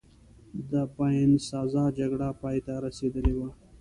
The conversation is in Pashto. د باینسزا جګړه پایته رسېدلې وه.